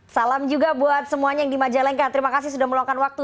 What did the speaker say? salam juga buat semuanya yang di majalengka terima kasih sudah meluangkan waktu